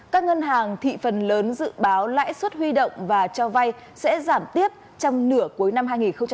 các ngân hàng thị phần lớn dự báo lãi suất huy động và cho vay sẽ giảm tiếp trong nửa cuối năm hai nghìn hai mươi